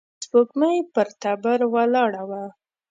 سپوږمۍ پر تبر ولاړه وه.